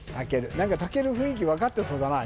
何かたける雰囲気分かってそうだなあ